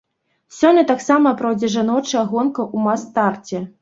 Сёння таксама пройдзе жаночая гонка ў мас-старце.